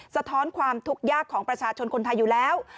สะท้อนความทุกข์ยากของประชาชนคนไทยอยู่แล้ว